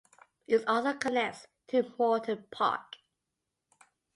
It also connects to Morton Park.